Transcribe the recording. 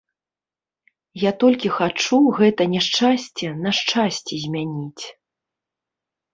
Я толькі хачу гэта няшчасце на шчасце змяніць.